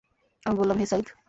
আমি বললাম, হে সাঈদ!